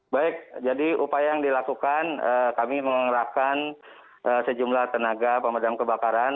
baik jadi upaya yang dilakukan kami mengerahkan sejumlah tenaga pemadam kebakaran